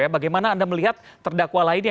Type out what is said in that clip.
bagaimana anda melihat terdakwa lainnya